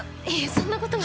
そんなことは。